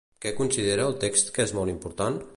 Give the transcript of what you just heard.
Què considera el text que és molt important?